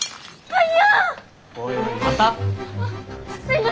はい！